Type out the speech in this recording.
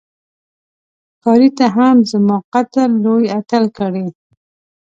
ښکاري ته هم زما قتل لوی اتل کړې